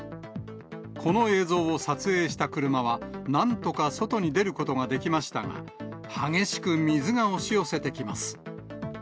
この映像を撮影した車は、なんとか外に出ることができましたが、激しく水が押し寄せてきます。